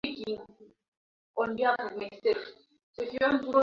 thamani ya redio ni kubwa sana ndani ya nchi